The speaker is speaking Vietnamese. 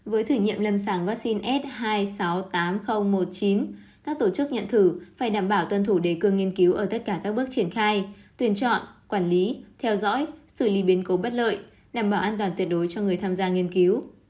với thử nghiệm lâm sàng vaccine s hai trăm sáu mươi tám nghìn một mươi chín các tổ chức nhận thử phải đảm bảo tuân thủ đề cương nghiên cứu ở tất cả các bước triển khai tuyển chọn quản lý theo dõi xử lý biến cố bất lợi đảm bảo an toàn tuyệt đối cho người tham gia nghiên cứu